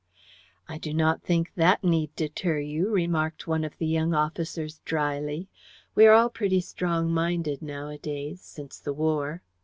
"I do not think that need deter you," remarked one of the young officers drily. "We are all pretty strong minded nowadays since the War."